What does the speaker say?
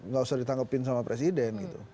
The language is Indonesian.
gak usah ditanggepin sama presiden